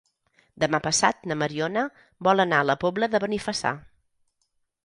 Demà passat na Mariona vol anar a la Pobla de Benifassà.